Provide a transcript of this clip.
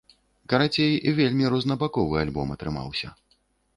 Карацей, вельмі рознабаковы альбом атрымаўся.